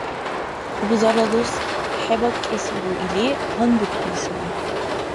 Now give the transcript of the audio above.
Хъубзарла дус хӀебакӀесгу или гьанбиркули саби.